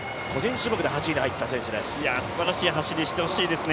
すばらしい走りしてほしいですね。